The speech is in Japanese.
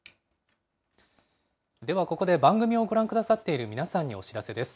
ではここで番組をご覧くださっている皆さんにお知らせです。